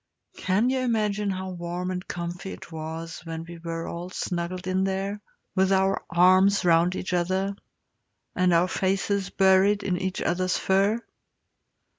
Can you imagine how warm and comfy it was when we were all snuggled in there, with our arms round each other, and our faces buried in each other's fur?